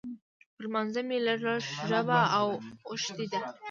پر لمانځه مې لږ لږ ژبه اوښتې ده.